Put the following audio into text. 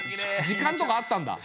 時間とかあったんだ。